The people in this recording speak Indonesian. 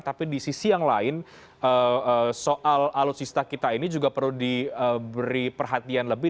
tapi di sisi yang lain soal alutsista kita ini juga perlu diberi perhatian lebih